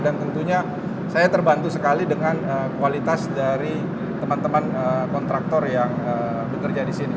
dan tentunya saya terbantu sekali dengan kualitas dari teman teman kontraktor yang bekerja di sini